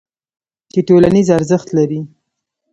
چې ټولنیز ارزښت لري.